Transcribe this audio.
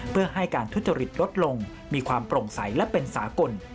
เพื่อให้การทุจริตลดลงมีความโปร่งใสและเป็นสากล